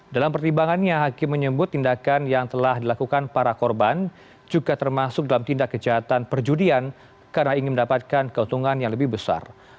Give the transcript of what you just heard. dalam pertimbangannya hakim menyebut tindakan yang telah dilakukan para korban juga termasuk dalam tindak kejahatan perjudian karena ingin mendapatkan keuntungan yang lebih besar